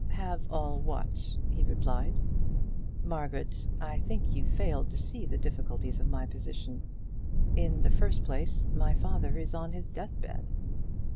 "Have all what?" he replied. "Margaret, I think you fail to see the difficulties of my position. In the first place, my father is on his deathbed!"